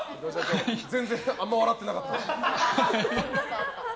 全然、あんまり笑ってなかった。